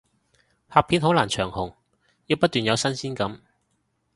拍片好難長紅，要不斷有新鮮感